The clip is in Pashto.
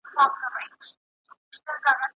ځواني نه پټېږي.